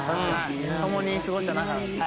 共に過ごした仲なんで。